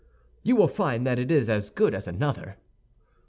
"You will find that it is as good as another."